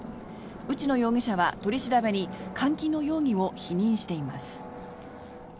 内野容疑者は取り調べに監禁の容疑を否認しています。